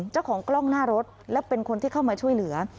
เจ้าของกล้องหน้ารถและเป็นคนที่เข้ามาช่วยเหลือ